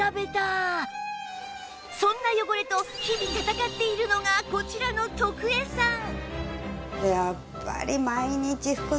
そんな汚れと日々戦っているのがこちらの徳江さん